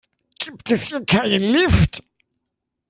Gibt es hier keinen Lift?